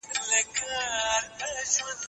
انګریز پوځیان حرکت کوي.